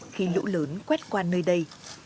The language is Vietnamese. khi lũ lớn quét qua nơi đây